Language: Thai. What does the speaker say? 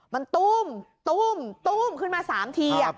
มันปุ้มปุ้มขึ้นมา๓ที